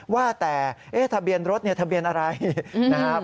ว่าแต่ทะเบียนรถเนี่ยทะเบียนอะไรนะครับ